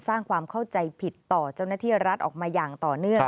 สร้างความเข้าใจผิดต่อเจ้าหน้าที่รัฐออกมาอย่างต่อเนื่อง